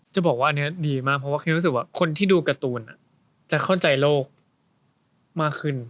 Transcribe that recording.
จะบอกว่าอันนี้ดีมากเพราะว่าคิมรู้สึกว่าคนที่ดูการ์ตูนจะเข้าใจโลกมากขึ้น